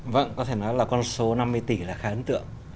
vâng có thể nói là con số năm mươi tỷ là khá ấn tượng